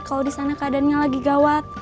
kalau di sana keadaannya lagi gawat